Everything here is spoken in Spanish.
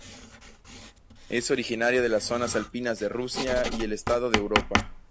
Es originaria de las zonas alpinas de Rusia y el este de Europa.